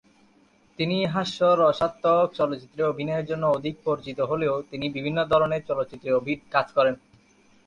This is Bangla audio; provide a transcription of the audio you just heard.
তিনি হাস্যরসাত্মক চলচ্চিত্রে অভিনয়ের জন্য অধিক পরিচিত হলেও তিনি বিভিন্ন ধরনের চলচ্চিত্রে কাজ করেন।